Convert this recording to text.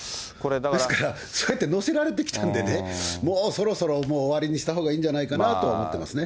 ですから、そうやって乗せられてきたんでね、もうそろそろ、もう終わりにしたほうがいいんじゃないかなとは思ってますね。